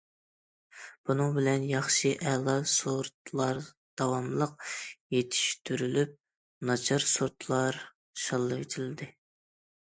بۇنىڭ بىلەن ياخشى، ئەلا سورتلار داۋاملىق يېتىشتۈرۈلۈپ، ناچار سورتلار شاللىۋېتىلدى.